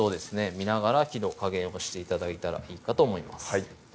見ながら火の加減をして頂いたらいいかと思います